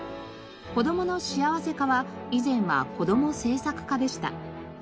「子どものしあわせ課」は以前は「子ども政策課」でした。